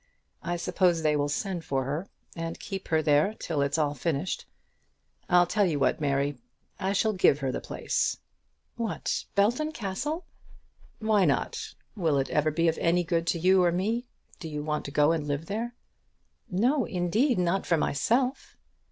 I suppose they will send for her, and keep her there till it's all finished. I'll tell you what, Mary, I shall give her the place." "What, Belton Castle?" "Why not? Will it ever be of any good to you or me? Do you want to go and live there?" "No, indeed; not for myself."